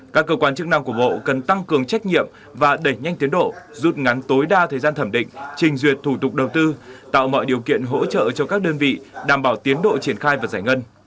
các cơ quan chức năng của bộ cần tăng cường trách nhiệm và đẩy nhanh tiến độ rút ngắn tối đa thời gian thẩm định trình duyệt thủ tục đầu tư tạo mọi điều kiện hỗ trợ cho các đơn vị đảm bảo tiến độ triển khai và giải ngân